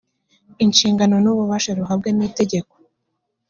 inshingano n ububasha ruhabwa n itegeko